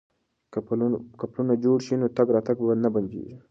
که پلونه جوړ شي نو تګ راتګ نه بندیږي.